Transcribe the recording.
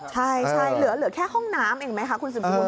ใช่เหลือแค่ห้องน้ำอีกไหมคะคุณสิบภูมิ